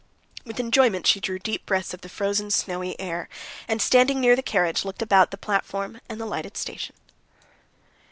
With enjoyment she drew deep breaths of the frozen, snowy air, and standing near the carriage looked about the platform and the lighted station.